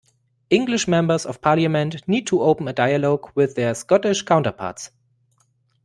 English Members of Parliament need to open a dialogue with their Scottish counterparts.